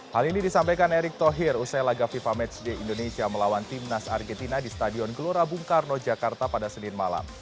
hal ini disampaikan erick thohir usai laga fifa matchday indonesia melawan timnas argentina di stadion gelora bung karno jakarta pada senin malam